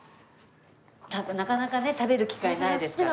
多分なかなかね食べる機会ないですから。